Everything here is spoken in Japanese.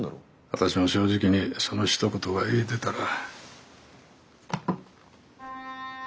私も正直にそのひと言が言えてたら。